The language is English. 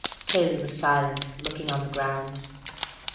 Cayley was silent, looking on the ground.